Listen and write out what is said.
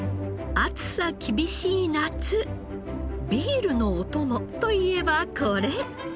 暑さ厳しい夏ビールのお供といえばこれ！